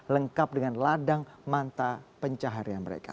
lengkap dengan ladang manta pencaharian mereka